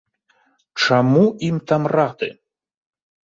Чаму ім там рады?